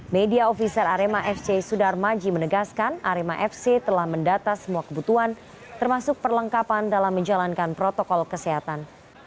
media ofiser arema fc sudar maji menegaskan arema fc telah mendata semua kebutuhan termasuk perlengkapan dalam menjalankan protokol kesehatan